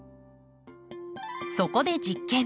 そこで実験。